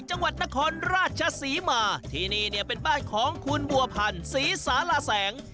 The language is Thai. จังหวัดนครราชศรีมาที่นี่เนี่ยเป็นบ้านของคุณบัวพันธ์ศรีสารแสง